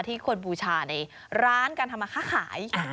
ควรบูชาในร้านการทำมาค้าขาย